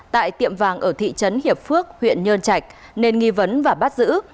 tại tiệm vàng ở thị trấn hiệp phước huyện nhân trạch nền nghi vấn và bắt giữ